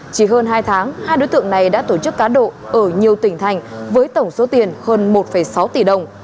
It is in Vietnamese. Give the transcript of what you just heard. chỉ hơn hai tháng hai đối tượng này đã tổ chức cá độ ở nhiều tỉnh thành với tổng số tiền hơn một sáu tỷ đồng